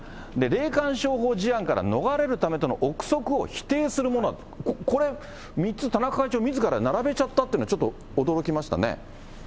霊感商法事案から逃れるためとの臆測を否定するものだと、これ、３つ田中会長、みずから並べちゃったというのは、ちょっと驚きましたね。